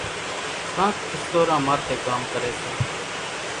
ڪانڪ اِسٽوران ماٿيَ ڪام ڪريَ سي۔